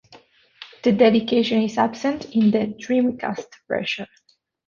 The dedication is absent in the Dreamcast version.